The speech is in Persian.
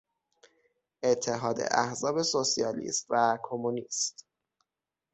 اتحاد احزاب سوسیالیست و کمونیست